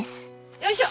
よいしょ！